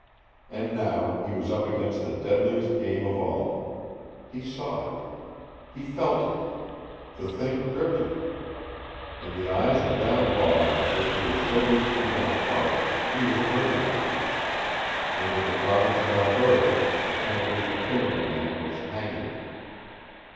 And now he was up against the deadliest game of all. He saw it. He felt it. The thing gripped him. In the eyes of that Law of which he had so recently been a part he was a murderer. And in the province of Alberta the penalty for killing a man was hanging.